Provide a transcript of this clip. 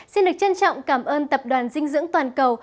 xin được trân trọng cảm ơn tập đoàn dinh dưỡng toàn cầu